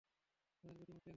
তাদেরকে তুমি চেনো?